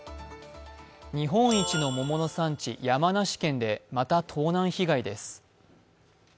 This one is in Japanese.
日本一の桃の産地・山梨県でまた盗難被害です。